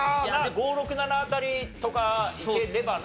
５６７辺りとかいければな。